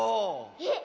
えっ。